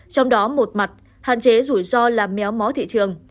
trong đó một mặt hạn chế rủi ro làm méo mó thị trường